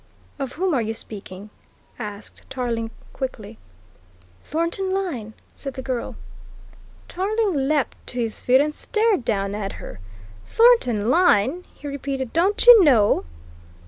"Of whom are you speaking?" asked Tarling quickly. "Thornton Lyne," said the girl. Tarling leaped to his feet and stared down at her. "Thornton Lyne?" he repeated. "Don't you know?"